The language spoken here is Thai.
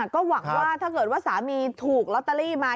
ก็หวังว่าถ้าสามีถูกลอตเตอรี่มา